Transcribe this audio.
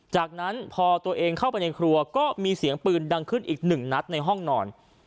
จากนั้นพอตัวเองเข้าไปในครัวก็มีเสียงปืนดังขึ้นอีกหนึ่งนัดในห้องนอน